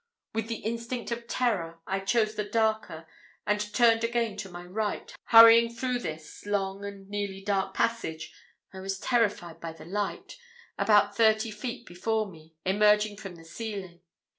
With the instinct of terror I chose the darker, and turned again to my right; hurrying through this long and nearly dark passage, I was terrified by a light, about thirty feet before me, emerging from the ceiling.